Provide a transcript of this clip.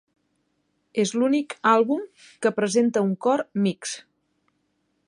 És l'únic àlbum que presenta un cor mixt.